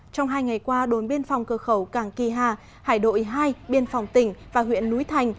trong hai ngày qua đồn biên phòng cơ khẩu cảng kỳ hà hải đội hai biên phòng tỉnh và huyện núi thành